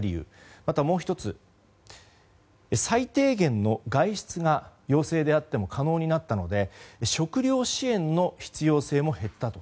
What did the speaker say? また、もう１つは最低限の外出が陽性であっても可能になったので食料支援の必要性も減ったと。